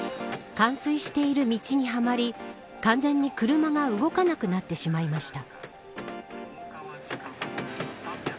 冠水している道にはまり完全に車が動かなくなってしまいました。